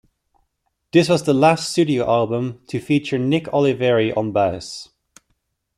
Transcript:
This was the last studio album to feature Nick Oliveri on bass.